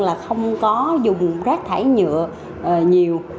là không có dùng rác thải nhựa nhiều